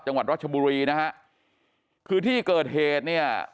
จังหวัดรัชบุรีนะฮะคือที่เกิดเหตุเนี่ย